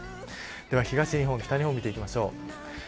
では、東日本北日本、見ていきましょう。